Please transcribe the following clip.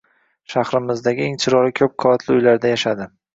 Shahrimizdagi eng chiroyli ko`p qavatli uylarda yashadim